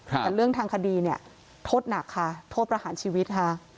แต่เรื่องทางคดีเนี่ยโทษหนักค่ะโทษประหารชีวิตค่ะ